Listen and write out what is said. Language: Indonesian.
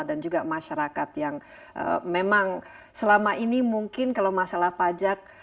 dan juga masyarakat yang memang selama ini mungkin kalau masalah pajak